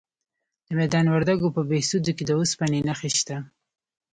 د میدان وردګو په بهسودو کې د اوسپنې نښې شته.